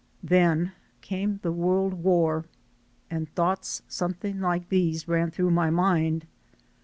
Then came the World War and thoughts some thing like these ran through my mind.